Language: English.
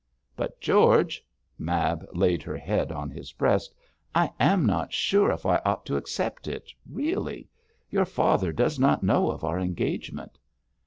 'But, George' Mab laid her head on his breast 'I am not sure if I ought to accept it, really. Your father does not know of our engagement.'